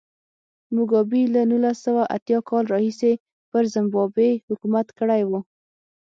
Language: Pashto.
موګابي له نولس سوه اتیا کال راهیسې پر زیمبابوې حکومت کړی و.